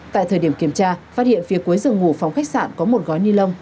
tại thời điểm kiểm tra phát hiện phía cuối rừng ngủ phòng khách sạn có một gói ni lông